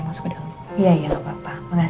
ya kan dia